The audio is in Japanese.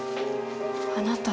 あなた。